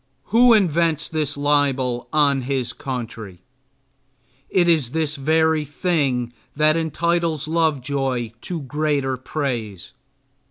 Who invents this libel on his country? It is this very thing that entitles Lovejoy to greater praise.